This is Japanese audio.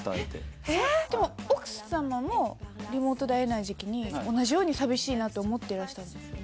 でも奥様もリモートで会えない時期に同じように寂しいなと思っていらしたんですよね？